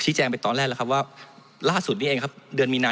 แจ้งไปตอนแรกแล้วครับว่าล่าสุดนี้เองครับเดือนมีนา